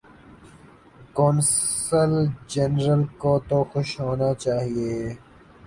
قونصل جنرل کو تو خوش ہونا چاہیے۔